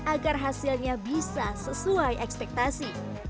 agar hasilnya bisa sesuai ekspektasi